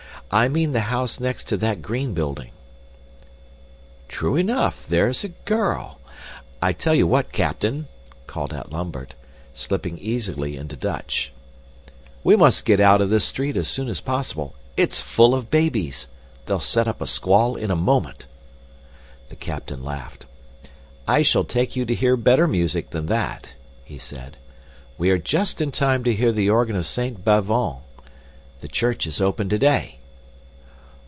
I mean the house next to that green building." "True enough, there's a girl! I tell you what, captain," called out Lambert, slipping easily into Dutch, "we must get out of this street as soon as possible. It's full of babies! They'll set up a squall in a moment." The captain laughed. "I shall take you to hear better music than that," he said. "We are just in time to hear the organ of Saint Bavon. The church is open today."